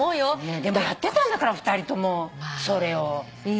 でもやってたんだから２人ともそれを。